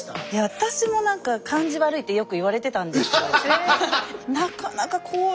私もなんか感じ悪いってよく言われてたんですよ。